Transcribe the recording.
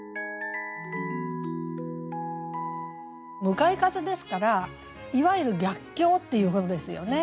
向かい風ですからいわゆる逆境っていうことですよね。